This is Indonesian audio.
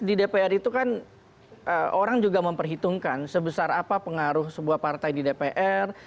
di dpr itu kan orang juga memperhitungkan sebesar apa pengaruh sebuah partai di dpr